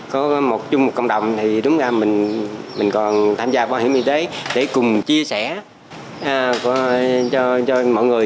có một chung một cộng đồng thì đúng ra mình còn tham gia bảo hiểm y tế để cùng chia sẻ cho mọi người